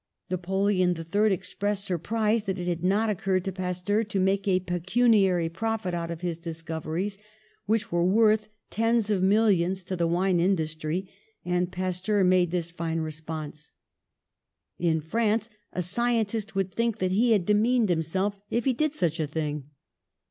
Napoleon III expressed sur prise that it had not occurred to Pasteur to make a pecuniary profit out of his discoveries, which were worth tens of milKons to the wine industry, and Pasteur made this fine response: "In France a scientist would think that he had demeaned himself if he did such a thing."